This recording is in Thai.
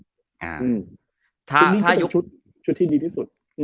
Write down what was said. ชุดนี้จะเป็นชุดที่ดีที่สุด